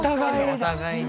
お互いに。